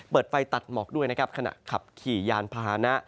เปิดไฟตัดหมอกด้วยนะครับขณะขับขี่ยานพาหนะ